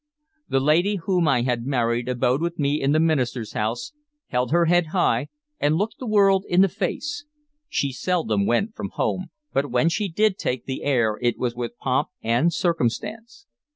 The lady whom I had married abode with me in the minister's house, held her head high, and looked the world in the face. She seldom went from home, but when she did take the air it was with pomp and circumstance.